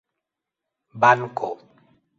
banko